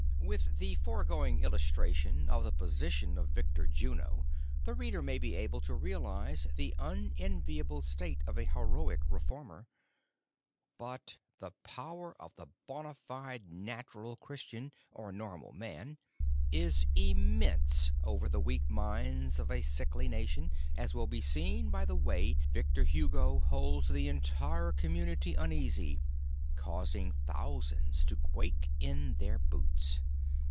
AVith the foregoing illustration of the position of Victor Juno, the reader may be able to realize the unenviable state of a heroic reformer ; but, the power of the bona fide natural Christian, or normal man, is immense over the weak minds of a sickly nation, as will be seen by the way Victor Juno holds the entire commimity uneasy, causing thousands to quake in their boots.